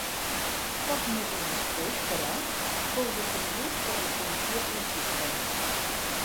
Pocs mesos després, però, fou detingut per la policia franquista.